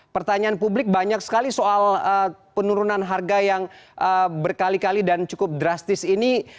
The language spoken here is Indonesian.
pertanyaan publik banyak sekali soal penurunan harga yang berkali kali dan cukup drastis ini